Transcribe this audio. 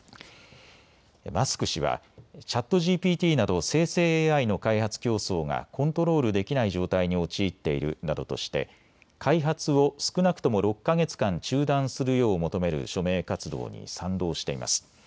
マスク氏はＣｈａｔＧＰＴなど生成ＡＩの開発競争がコントロールできない状態に陥っているなどとして開発を少なくとも６か月間、中断するよう求める署名活動に賛同しています。